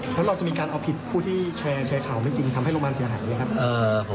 แล้วเราจะมีการเอาผิดผู้ที่แชร์ข่าวไม่จริงทำให้โรงพยาบาลเสียหายไหมครับ